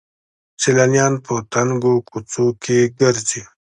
سیلانیان په تنګو کوڅو کې ګرځي.